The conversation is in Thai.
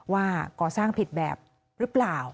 ว่าก่อสร้างผิดแบบหรือเปล่า